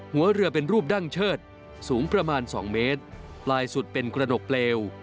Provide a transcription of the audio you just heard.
หัวเรือเป็นรูปดั้งเชิดสูงประมาณสองเมตรปลายสุดเป็นกระหนกเปลว